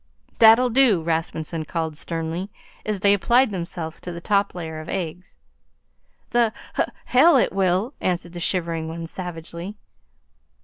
"That'll do!" Rasmunsen called sternly, as they applied themselves to the top layer of eggs. "The h hell it will!" answered the shivering one, savagely.